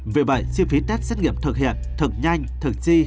vì vậy chi phí test xét nghiệm thực hiện thực nhanh thực chi